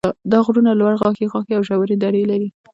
دا غرونه لوړ غاښي غاښي او ژورې درې لري.